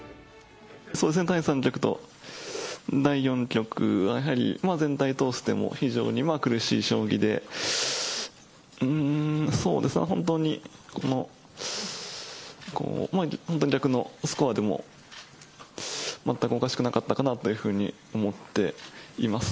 そうですね、第３局と第４局は、やはり全体通しても非常に苦しい将棋で、そうですね、本当に本当に逆のスコアでも全くおかしくなかったかなというふうに思っています。